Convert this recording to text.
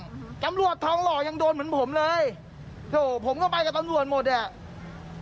กำลังหลวดท้องหล่อยังโดนเหมือนผมเลยโถผมก็ไปกับกำลังหลวดหมดเนี้ย